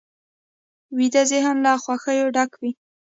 ویده ذهن له خوښیو ډک وي